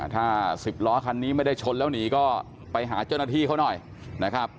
ถ้า๑๐ล้อคันนี้ไม่ได้ชนแล้วหนีก็ไปหาเจ้าหน้าที่เขาหน่อยนะครับ